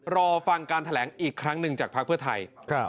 รอฟังการแถลงอีกครั้งหนึ่งจากภาคพิวทร์ไทย